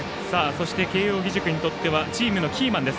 そして慶応義塾にとってはチームのキーマンです。